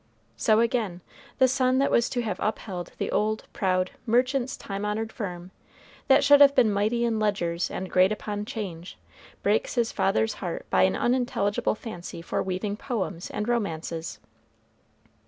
So again, the son that was to have upheld the old, proud merchant's time honored firm, that should have been mighty in ledgers and great upon 'Change, breaks his father's heart by an unintelligible fancy for weaving poems and romances.